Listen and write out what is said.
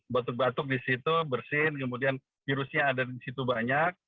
batuk batuk di situ bersin kemudian virusnya ada di situ banyak